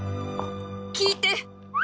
聞いて！